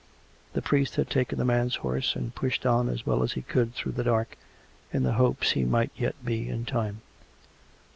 The priest had taken the man's horse and pushed on as well as he could through the dark, in the hopes he might yet be in time.